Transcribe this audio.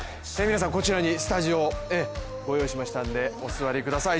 こちらにスタジオご用意したのでお座りください。